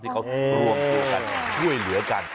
ที่เขาร่วมช่วยเหลือกัน